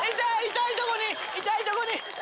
痛いとこに痛いとこに。